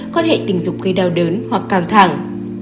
quan hệ tình dục gây đau đớn hoặc căng thẳng